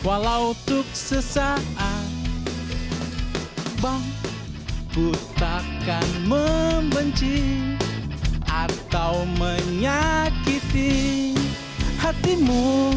walau tuk sesaat bangku takkan membenci atau menyakiti hatimu